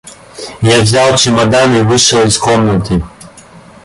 Я взял чемодан и вышел из комнаты.